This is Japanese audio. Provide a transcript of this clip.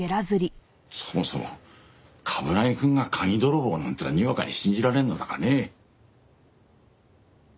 そもそも冠城くんが鍵泥棒なんてのはにわかに信じられんのだがね。